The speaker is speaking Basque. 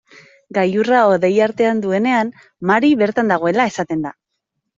Gailurra hodei artean duenean, Mari bertan dagoela esaten da.